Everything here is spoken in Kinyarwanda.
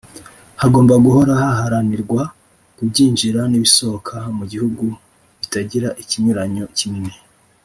Hagomba guhora haharanirwa ko ibyinjira n’ibisohoka mu gihugu bitagira ikinyuranyo kinini